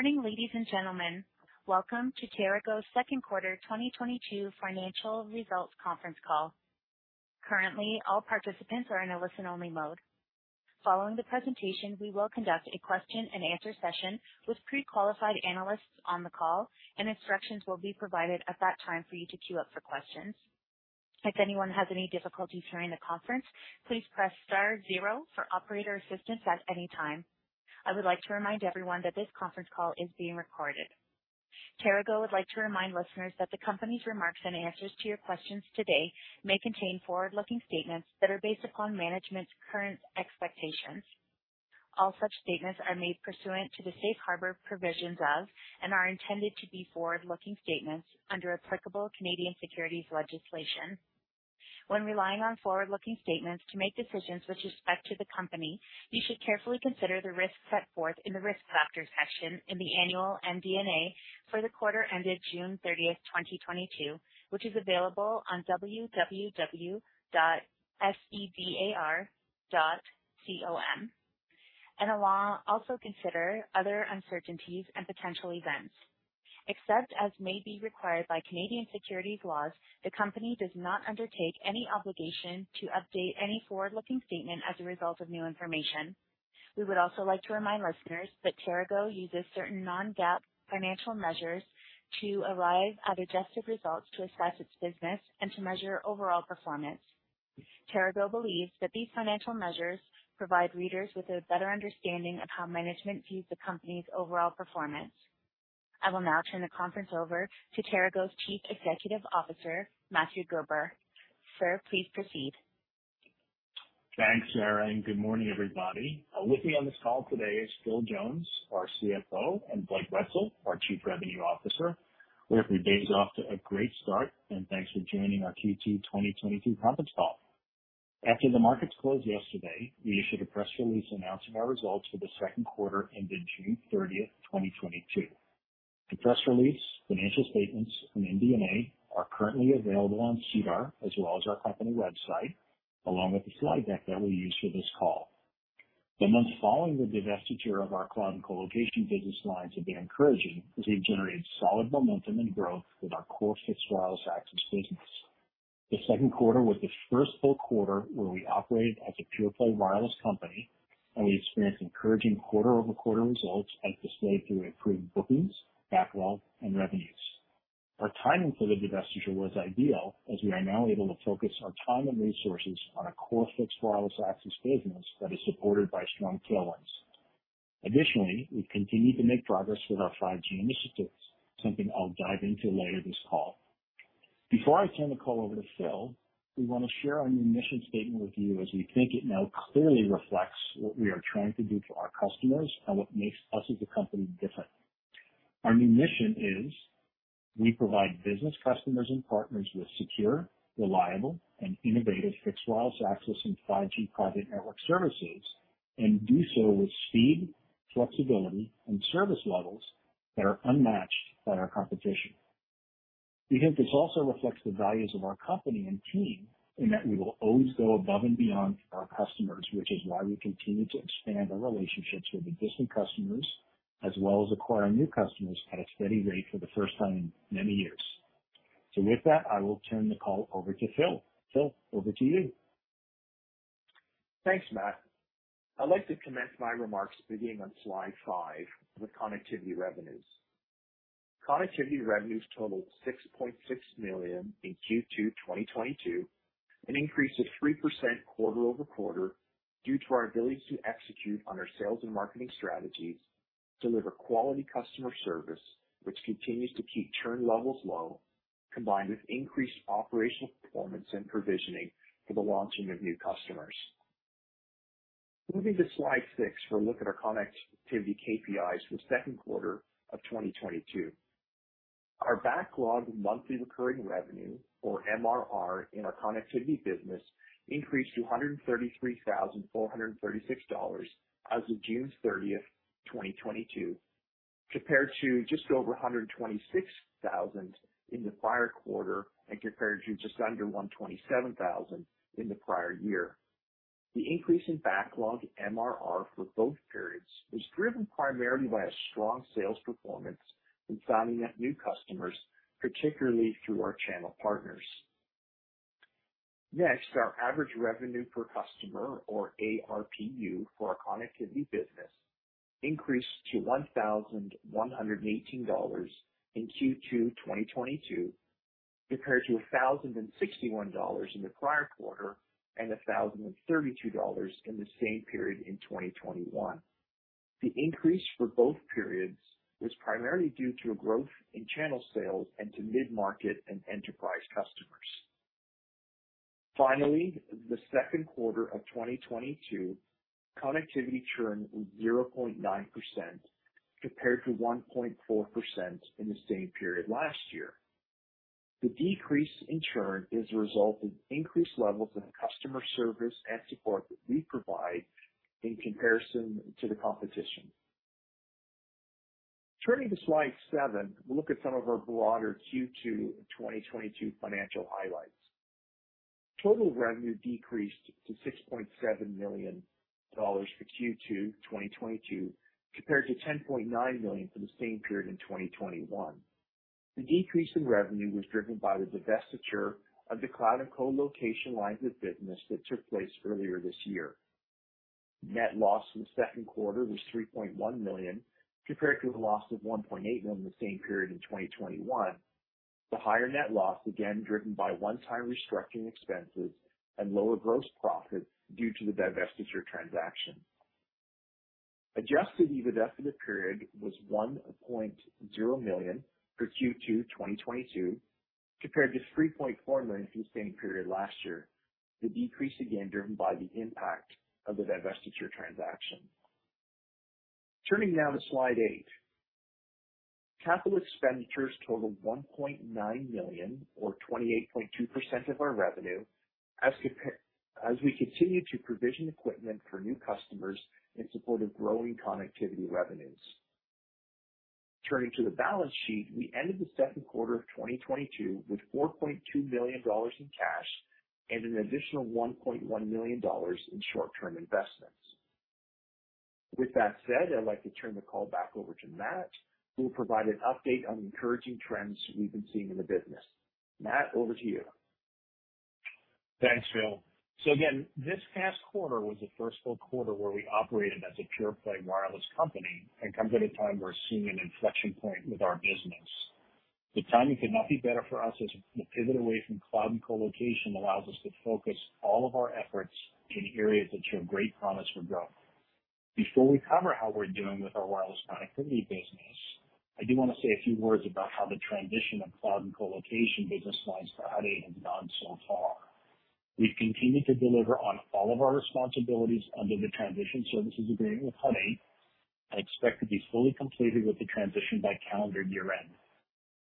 Good morning, ladies and gentlemen. Welcome to TeraGo's second quarter 2022 financial results conference call. Currently, all participants are in a listen-only mode. Following the presentation, we will conduct a question-and-answer session with pre-qualified analysts on the call, and instructions will be provided at that time for you to queue up for questions. If anyone has any difficulties during the conference, please press star zero for operator assistance at any time. I would like to remind everyone that this conference call is being recorded. TeraGo would like to remind listeners that the company's remarks and answers to your questions today may contain forward-looking statements that are based upon management's current expectations. All such statements are made pursuant to the safe harbor provisions of and are intended to be forward-looking statements under applicable Canadian securities legislation. When relying on forward-looking statements to make decisions with respect to the company, you should carefully consider the risks set forth in the Risk Factors section in the annual MD&A for the quarter ended June 30th, 2022, which is available on www.sedar.com, and also consider other uncertainties and potential events. Except as may be required by Canadian securities laws, the company does not undertake any obligation to update any forward-looking statement as a result of new information. We would also like to remind listeners that TeraGo uses certain non-GAAP financial measures to arrive at adjusted results to assess its business and to measure overall performance. TeraGo believes that these financial measures provide readers with a better understanding of how management views the company's overall performance. I will now turn the conference over to TeraGo's Chief Executive Officer, Matthew Gerber. Sir, please proceed. Thanks, Sarah, and good morning, everybody. With me on this call today is Phil Jones, our CFO, and Blake Wetzel, our Chief Revenue Officer. We hope your day is off to a great start, and thanks for joining our Q2 2022 conference call. After the markets closed yesterday, we issued a press release announcing our results for the second quarter ended June 30, 2022. The press release, financial statements, and MD&A are currently available on SEDAR as well as our company website, along with the slide deck that we'll use for this call. The months following the divestiture of our cloud and colocation business lines have been encouraging as we've generated solid momentum and growth with our core Fixed Wireless Access business. The second quarter was the first full quarter where we operated as a pure play wireless company, and we experienced encouraging quarter-over-quarter results as displayed through improved bookings, backlog, and revenues. Our timing for the divestiture was ideal as we are now able to focus our time and resources on a core fixed wireless access business that is supported by strong tailwinds. Additionally, we've continued to make progress with our 5G initiatives, something I'll dive into later this call. Before I turn the call over to Phil, we want to share our new mission statement with you as we think it now clearly reflects what we are trying to do for our customers and what makes us as a company different. Our new mission is we provide business customers and partners with secure, reliable, and innovative fixed wireless access and 5G private network services and do so with speed, flexibility, and service levels that are unmatched by our competition. We think this also reflects the values of our company and team in that we will always go above and beyond for our customers, which is why we continue to expand our relationships with existing customers, as well as acquire new customers at a steady rate for the first time in many years. With that, I will turn the call over to Phil. Phil, over to you. Thanks, Matt. I'd like to commence my remarks beginning on slide five with connectivity revenues. Connectivity revenues totaled 6.6 million in Q2 2022, an increase of 3% quarter-over-quarter due to our ability to execute on our sales and marketing strategies, deliver quality customer service, which continues to keep churn levels low, combined with increased operational performance and provisioning for the launching of new customers. Moving to slide six for a look at our connectivity KPIs for the second quarter of 2022. Our backlog monthly recurring revenue, or MRR, in our connectivity business increased to 133,436 dollars as of June 30th, 2022, compared to just over 126,000 in the prior quarter and compared to just under 127,000 in the prior year. The increase in backlog MRR for both periods was driven primarily by a strong sales performance in signing up new customers, particularly through our channel partners. Next, our average revenue per customer, or ARPU, for our connectivity business increased to 1,118 dollars in Q2 2022 compared to 1,061 dollars in the prior quarter and 1,032 dollars in the same period in 2021. The increase for both periods was primarily due to a growth in channel sales and to mid-market and enterprise customers. Finally, the second quarter of 2022, connectivity churn was 0.9% compared to 1.4% in the same period last year. The decrease in churn is a result of increased levels of customer service and support that we provide in comparison to the competition. Turning to slide seven, we'll look at some of our broader Q2 2022 financial highlights. Total revenue decreased to 6.7 million dollars for Q2 2022, compared to 10.9 million for the same period in 2021. The decrease in revenue was driven by the divestiture of the cloud and co-location lines of business that took place earlier this year. Net loss in the second quarter was 3.1 million, compared to the loss of 1.8 million in the same period in 2021. The higher net loss, again, driven by one-time restructuring expenses and lower gross profit due to the divestiture transaction. Adjusted EBITDA for the period was 1.0 million for Q2 2022, compared to 3.4 million for the same period last year. The decrease again driven by the impact of the divestiture transaction. Turning now to slide eight. Capital expenditures totaled 1.9 million or 28.2% of our revenue as we continue to provision equipment for new customers in support of growing connectivity revenues. Turning to the balance sheet, we ended the second quarter of 2022 with 4.2 million dollars in cash and an additional 1.1 million dollars in short-term investments. With that said, I'd like to turn the call back over to Matt, who will provide an update on the encouraging trends we've been seeing in the business. Matt, over to you. Thanks, Phil. Again, this past quarter was the first full quarter where we operated as a pure play wireless company and comes at a time, we're seeing an inflection point with our business. The timing could not be better for us as the pivot away from cloud and co-location allows us to focus all of our efforts in areas that show great promise for growth. Before we cover how we're doing with our wireless connectivity business, I do wanna say a few words about how the transition of cloud and co-location business lines for Hut 8 has gone so far. We've continued to deliver on all of our responsibilities under the transition services agreement with Hut 8 and expect to be fully completed with the transition by calendar year-end.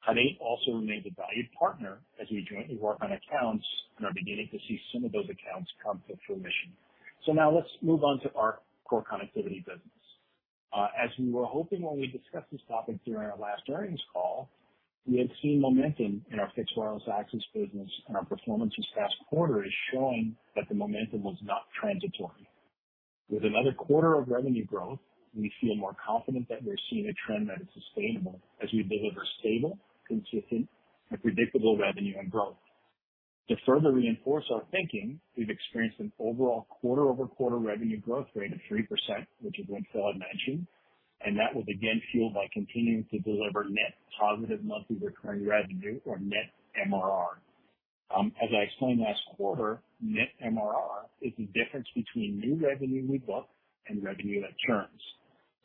Hut 8 also remains a valued partner as we jointly work on accounts and are beginning to see some of those accounts come to fruition. Now let's move on to our core connectivity business. As we were hoping when we discussed this topic during our last earnings call, we have seen momentum in our fixed wireless access business, and our performance this past quarter is showing that the momentum was not transitory. With another quarter of revenue growth, we feel more confident that we're seeing a trend that is sustainable as we deliver stable, consistent, and predictable revenue and growth. To further reinforce our thinking, we've experienced an overall quarter-over-quarter revenue growth rate of 3%, which is what Phil had mentioned, and that was again fueled by continuing to deliver net positive monthly recurring revenue or net MRR. As I explained last quarter, net MRR is the difference between new revenue we book and revenue that churns.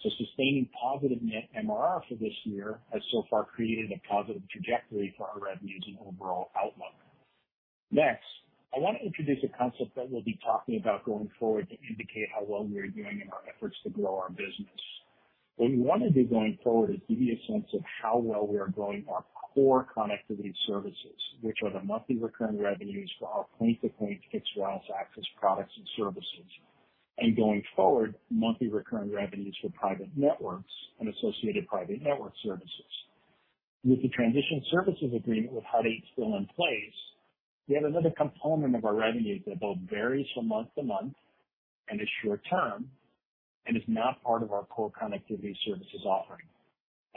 Sustaining positive net MRR for this year has so far created a positive trajectory for our revenues and overall outlook. Next, I want to introduce a concept that we'll be talking about going forward to indicate how well we are doing in our efforts to grow our business. What we wanna do going forward is give you a sense of how well we are growing our core connectivity services, which are the monthly recurring revenues for our point-to-point fixed wireless access products and services, and going forward, monthly recurring revenues for private networks and associated private network services. With the transition services agreement with Hut 8 still in place, we have another component of our revenues that both varies from month to month and is short term and is not part of our core connectivity services offering.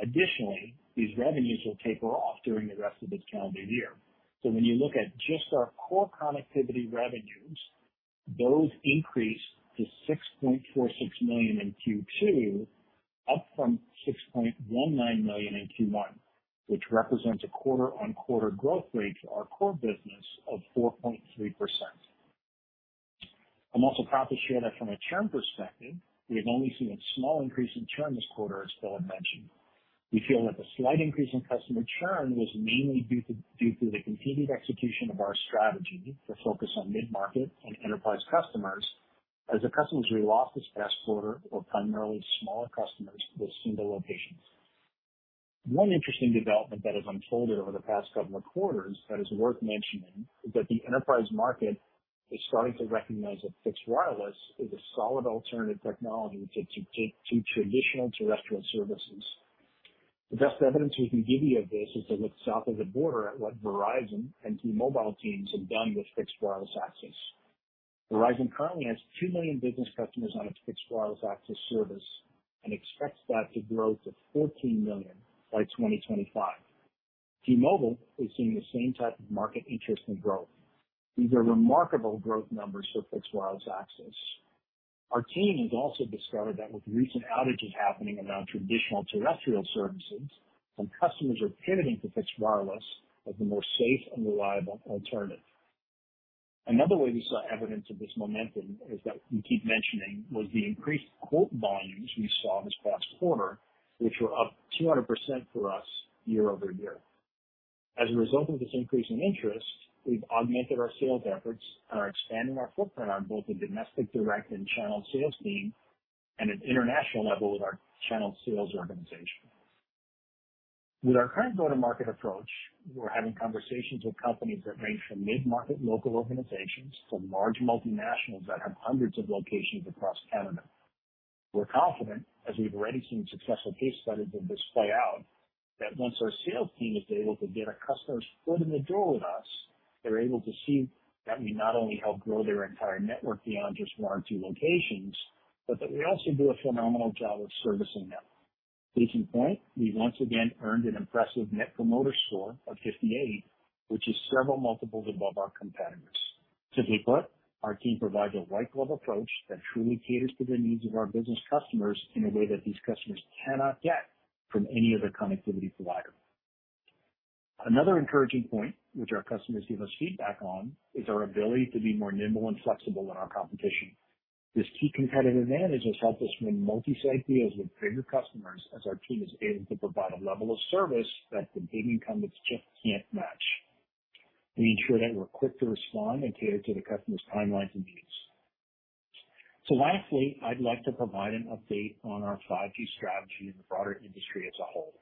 Additionally, these revenues will taper off during the rest of this calendar year. When you look at just our core connectivity revenues, those increased to 6.46 million in Q2, up from 6.19 million in Q1, which represents a quarter-on-quarter growth rate to our core business of 4.3%. I'm also proud to share that from a churn perspective, we have only seen a small increase in churn this quarter, as Phil had mentioned. We feel that the slight increase in customer churn was mainly due to the continued execution of our strategy to focus on mid-market and enterprise customers, as the customers we lost this past quarter were primarily smaller customers with single locations. One interesting development that has unfolded over the past couple of quarters that is worth mentioning is that the enterprise market is starting to recognize that Fixed Wireless is a solid alternative technology to traditional terrestrial services. The best evidence we can give you of this is to look south of the border at what Verizon and T-Mobile teams have done with Fixed Wireless Access. Verizon currently has two million business customers on its Fixed Wireless Access service and expects that to grow to 14 million by 2025. T-Mobile is seeing the same type of market interest and growth. These are remarkable growth numbers for Fixed Wireless Access. Our team has also discovered that with recent outages happening around traditional terrestrial services, some customers are pivoting to Fixed Wireless as a more safe and reliable alternative. Another way we saw evidence of this momentum is, as we keep mentioning, the increased quote volumes we saw this past quarter, which were up 200% for us year-over-year. As a result of this increase in interest, we've augmented our sales efforts and are expanding our footprint on both the domestic direct and channel sales team and at international level with our channel sales organization. With our current go-to-market approach, we're having conversations with companies that range from mid-market local organizations to large multinationals that have hundreds of locations across Canada. We're confident, as we've already seen successful case studies of this play out, that once our sales team is able to get a customer's foot in the door with us, they're able to see that we not only help grow their entire network beyond just one or two locations, but that we also do a phenomenal job of servicing them. Case in point, we once again earned an impressive Net Promoter Score of 58, which is several multiples above our competitors. Simply put, our team provides a white glove approach that truly caters to the needs of our business customers in a way that these customers cannot get from any other connectivity provider. Another encouraging point which our customers give us feedback on is our ability to be more nimble and flexible than our competition. This key competitive advantage has helped us win multi-site deals with bigger customers as our team is able to provide a level of service that the big incumbents just can't match. We ensure that we're quick to respond and cater to the customer's timelines and needs. Lastly, I'd like to provide an update on our 5G strategy and the broader industry as a whole.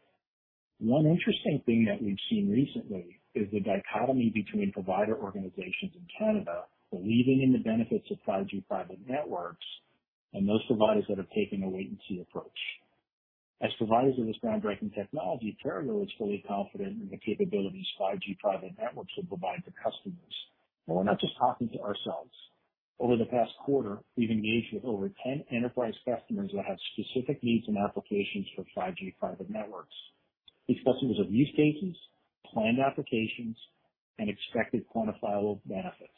One interesting thing that we've seen recently is the dichotomy between provider organizations in Canada believing in the benefits of 5G private networks, and those providers that are taking a wait-and-see approach. As providers of this groundbreaking technology, TeraGo is fully confident in the capabilities 5G private networks will provide to customers. We're not just talking to ourselves. Over the past quarter, we've engaged with over 10 enterprise customers that have specific needs and applications for 5G private networks. We've discussed use of use cases, planned applications, and expected quantifiable benefits.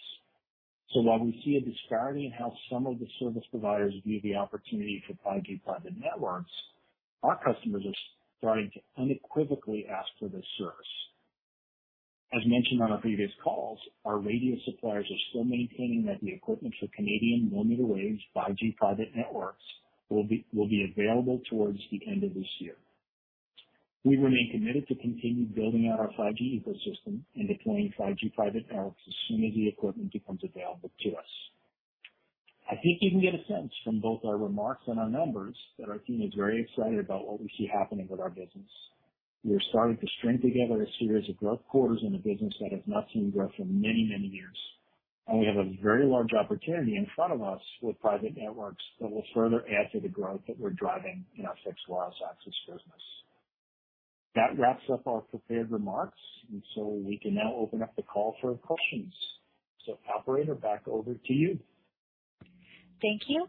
While we see a disparity in how some of the service providers view the opportunity for 5G private networks, our customers are starting to unequivocally ask for this service. As mentioned on our previous calls, our radio suppliers are still maintaining that the equipment for Canadian millimeter wave 5G private networks will be available towards the end of this year. We remain committed to continue building out our 5G ecosystem and deploying 5G private networks as soon as the equipment becomes available to us. I think you can get a sense from both our remarks and our numbers that our team is very excited about what we see happening with our business. We are starting to string together a series of growth quarters in a business that has not seen growth for many, many years, and we have a very large opportunity in front of us with private networks that will further add to the growth that we're driving in our fixed wireless access business. That wraps up our prepared remarks, and so we can now open up the call for questions. Operator, back over to you. Thank you.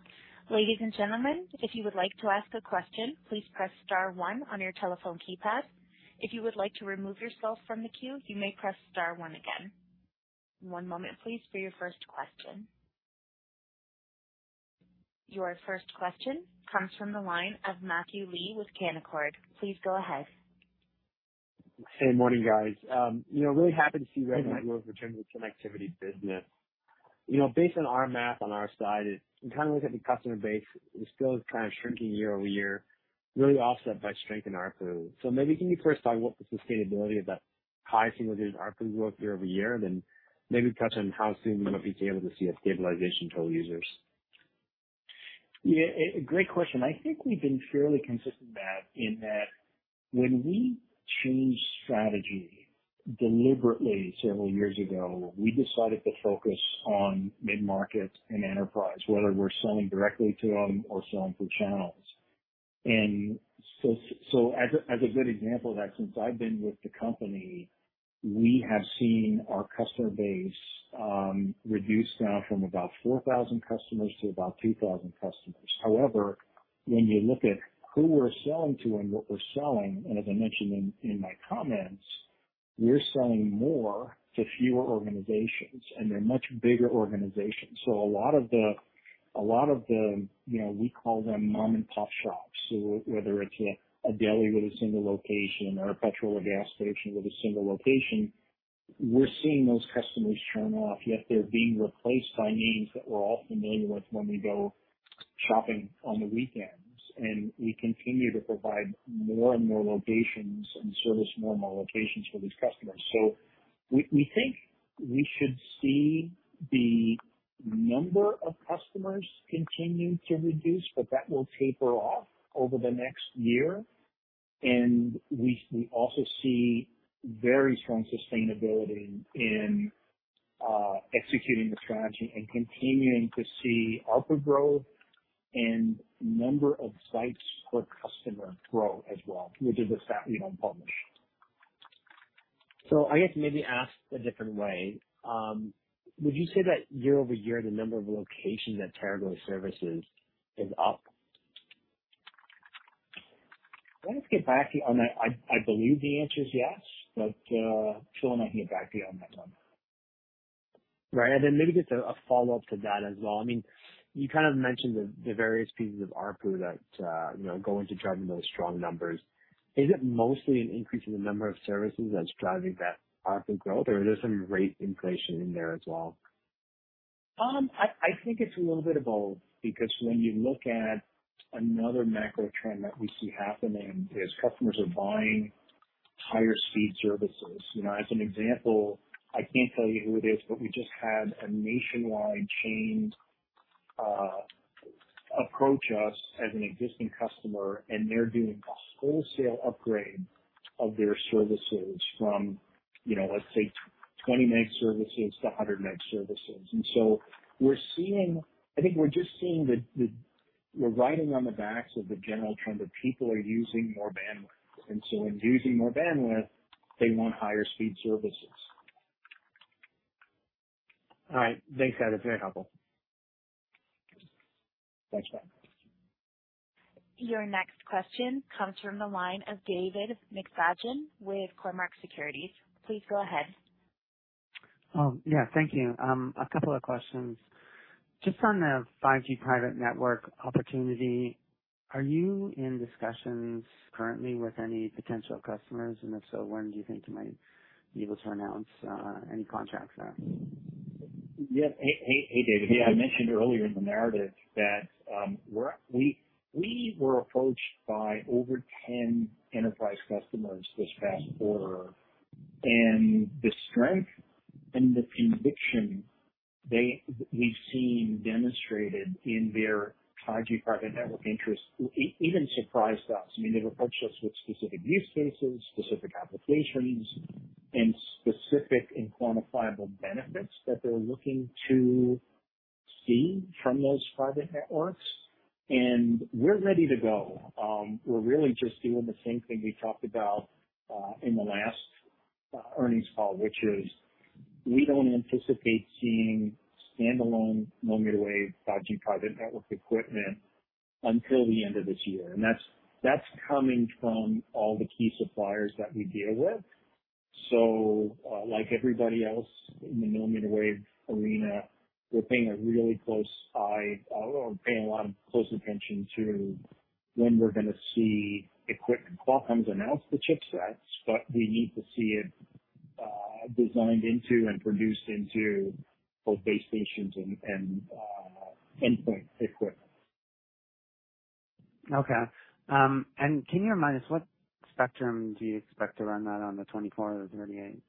Ladies and gentlemen, if you would like to ask a question, please press star one on your telephone keypad. If you would like to remove yourself from the queue, you may press star one again. One moment please for your first question. Your first question comes from the line of Matthew Lee with Canaccord Genuity. Please go ahead. Hey, morning, guys. You know, really happy to see revenue growth return to the connectivity business. You know, based on our math on our side, we kind of look at the customer base is still kind of shrinking year-over-year, really offset by strength in ARPU. Maybe can you first talk about what the sustainability of that high single-digit ARPU growth year-over-year, then maybe touch on how soon we might be able to see a stabilization of users? Yeah, great question. I think we've been fairly consistent, Matt, in that when we changed strategy deliberately several years ago, we decided to focus on mid-market and enterprise, whether we're selling directly to them or selling through channels. As a good example of that, since I've been with the company, we have seen our customer base reduce now from about 4,000 customers to about 2,000 customers. However, when you look at who we're selling to and what we're selling, and as I mentioned in my comments, we're selling more to fewer organizations and they're much bigger organizations. A lot of the, you know, we call them mom and pop shops. Whether it's a deli with a single location or a gasoline or gas station with a single location, we're seeing those customers churn off, yet they're being replaced by names that we're all familiar with when we go shopping on the weekends. We continue to provide more and more locations and service more and more locations for these customers. We think we should see the number of customers continue to reduce, but that will taper off over the next year. We also see very strong sustainability in executing the strategy and continuing to see ARPU growth and number of sites per customer grow as well, which is a stat we don't publish. I guess maybe asked a different way, would you say that year-over-year, the number of locations that TeraGo services is up? Let us get back to you on that. I believe the answer is yes, but Phil and I can get back to you on that one. Right. Then maybe just a follow-up to that as well. I mean, you kind of mentioned the various pieces of ARPU that, you know, go into driving those strong numbers. Is it mostly an increase in the number of services that's driving that ARPU growth, or is there some rate inflation in there as well? I think it's a little bit of both because when you look at another macro trend that we see happening is customers are buying higher speed services. You know, as an example, I can't tell you who it is, but we just had a nationwide chain approach us as an existing customer, and they're doing a wholesale upgrade of their services from, you know, let's say 20 meg services to 100 meg services. I think we're just seeing. We're riding on the backs of the general trend of people are using more bandwidth. In using more bandwidth, they want higher speed services. All right. Thanks, guys. Very helpful. Thanks, guys. Your next question comes from the line of David McFadgen with Cormark Securities. Please go ahead. Yeah, thank you. A couple of questions. Just on the 5G private network opportunity, are you in discussions currently with any potential customers, and if so, when do you think you might be able to announce any contracts there? Yeah. Hey, David. Yeah, I mentioned earlier in the narrative that we were approached by over 10 enterprise customers this past quarter. The strength and the conviction we've seen demonstrated in their 5G private network interest even surprised us. I mean, they've approached us with specific use cases, specific applications, and specific and quantifiable benefits that they're looking to see from those private networks. We're ready to go. We're really just doing the same thing we talked about in the last earnings call, which is we don't anticipate seeing standalone millimeter wave 5G private network equipment until the end of this year. That's coming from all the key suppliers that we deal with. Like everybody else in the millimeter wave arena, we're paying a really close eye or paying a lot of close attention to when we're gonna see equipment. Qualcomm's announced the chipsets, but we need to see it designed into and produced into both base stations and endpoint equipment. Okay. Can you remind us what spectrum do you expect to run that on, the 24 or the 38?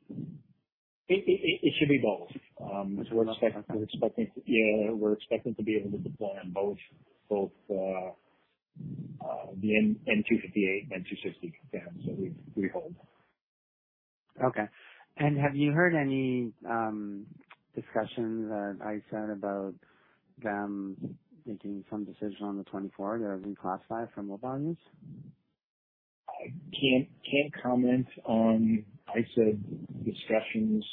It should be both. We're expecting to be able to deploy on both. Both the n258, n260 bands that we hold. Okay. Have you heard any discussions at ISED about them making some decision on the 24 to reclassify it from mobile use? I can't comment on ISED discussions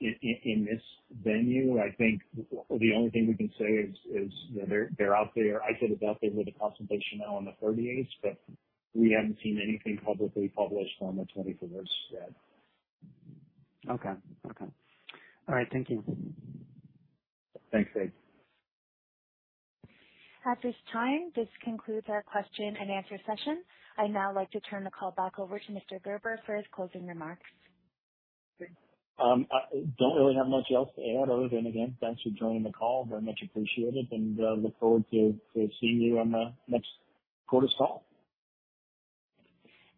in this venue. I think the only thing we can say is that they're out there. ISED is out there with a consultation now on the 38s, but we haven't seen anything publicly published on the 24s yet. Okay. All right. Thank you. Thanks, Dave. At this time, this concludes our question and answer session. I'd now like to turn the call back over to Mr. Gerber for his closing remarks. I don't really have much else to add other than, again, thanks for joining the call, very much appreciated, and look forward to seeing you on the next quarter's call.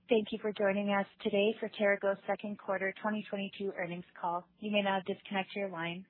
Thank you for joining us today for TeraGo's second quarter 2022 earnings call. You may now disconnect your line.